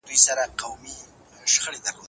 ایا تاسو هم په خپل وزګار وخت کي ورزش کوئ؟